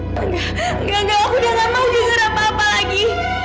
tante aku sudah tidak mau dengar apa apa lagi